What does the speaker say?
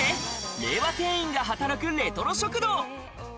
令和店員が働くレトロ食堂！